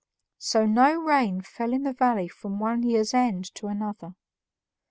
So no rain fell in the valley from one year's end to another.